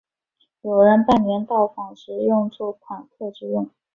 有人拜年到访时用作款客之用。